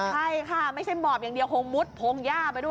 ใช่ค่ะไม่ใช่หมอบอย่างเดียวคงมุดพงหญ้าไปด้วย